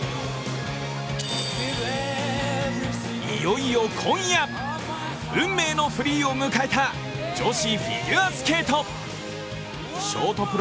いよいよ今夜、運命のフリーを迎えた女子フィギュアスケート。